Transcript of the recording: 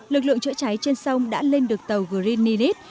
lực lượng chở cháy trên sông đã lên được tàu green unit